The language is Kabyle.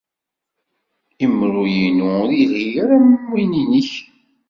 Imru-inu ur yelhi ara am win-nnek.